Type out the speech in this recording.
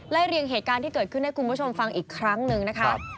เรียงเหตุการณ์ที่เกิดขึ้นให้คุณผู้ชมฟังอีกครั้งหนึ่งนะคะ